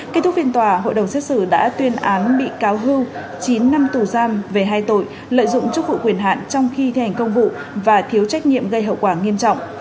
kết thúc phiên tòa hội đồng xét xử đã tuyên án bị cáo hưu chín năm tù giam về hai tội lợi dụng chức vụ quyền hạn trong khi thi hành công vụ và thiếu trách nhiệm gây hậu quả nghiêm trọng